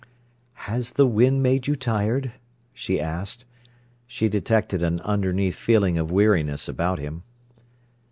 "Has the wind made you tired?" she asked. She detected an underneath feeling of weariness about him.